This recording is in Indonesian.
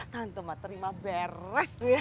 tante mah terima beres